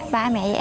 ba mẹ em nhớ em